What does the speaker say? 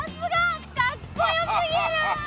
かっこよすぎる！